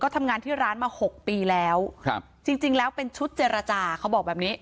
ทำงานที่ร้านมาหกปีแล้วครับจริงจริงแล้วเป็นชุดเจรจาเขาบอกแบบนี้